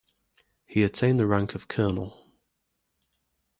He attained the rank of colonel.